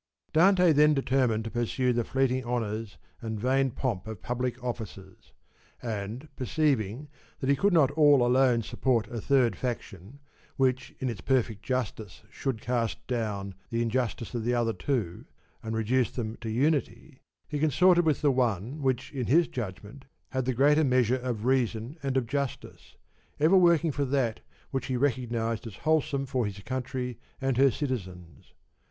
Dante then determined to pursue the fleeting honours and vain pomp of public offices ; and, per ceiving that he could not all alone support a third faction, which in its perfect justice should cast down the injustice of the other two and reduce them to unity, he consorted with the one which in his judgment had the greater measure of reason and of justice, ever working for that which he recognised as wholesome for his country and her citizens.